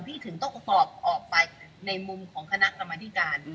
ถึงต้องสอบออกไปในมุมของคณะกรรมธิการ